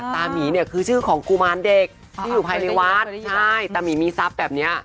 ตามีเนี่ยคือชื่อของกุมารเด็กที่อยู่ภายในวัดใช่ตามีมีทรัพย์แบบนี้